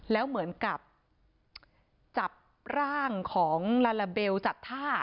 แล้วเหมือนกับจับร่างของลาลาเบลจัดท่า